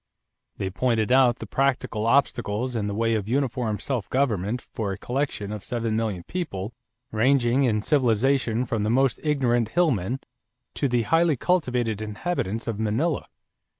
They pointed out the practical obstacles in the way of uniform self government for a collection of seven million people ranging in civilization from the most ignorant hill men to the highly cultivated inhabitants of Manila.